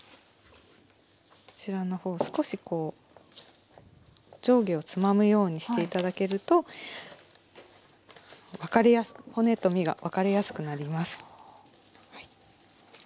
こちらの方少しこう上下をつまむようにして頂けると骨と身が分かれやすくなります。